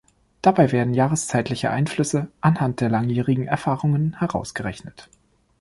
Dabei werden jahreszeitliche Einflüsse anhand der langjährigen Erfahrungen herausgerechnet.